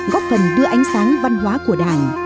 góp phần đưa ánh sáng văn hóa của đảng